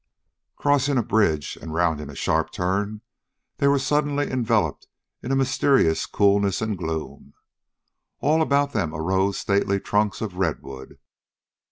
Crossing a bridge and rounding a sharp turn, they were suddenly enveloped in a mysterious coolness and gloom. All about them arose stately trunks of redwood.